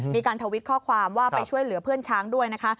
ทวิตข้อความว่าไปช่วยเหลือเพื่อนช้างด้วยนะคะ